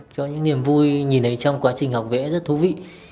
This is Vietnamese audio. cho những niềm vui nhìn thấy trong quá trình học vẽ rất thú vị